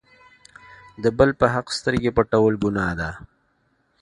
د بل په حق سترګې پټول ګناه ده.